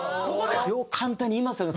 よう簡単に言いますよね